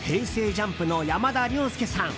ＪＵＭＰの山田涼介さん